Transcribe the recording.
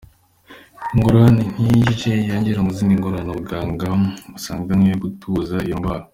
Ingorane nk'iyi ije yiyongera mu zindi ngorane abaganga basanganywe yo gutuza iyo ndwara.